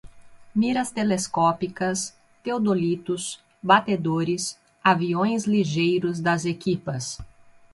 Miras telescópicas, teodolitos, batedores, aviões ligeiros das equipas